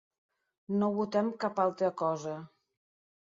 No votem cap altra cosa.